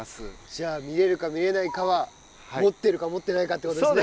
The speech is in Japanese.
じゃあ見れるか見れないかは持ってるか持ってないかってことですね？